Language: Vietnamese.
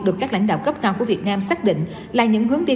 được các lãnh đạo cấp cao của việt nam sắp xếp